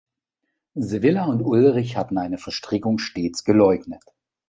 Sevilla und Ullrich hatten eine Verstrickung stets geleugnet.